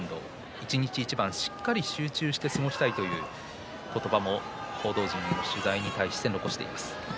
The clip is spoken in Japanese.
一日一番しっかり集中して相撲をしたいと言葉も報道陣に取材に対して残しています。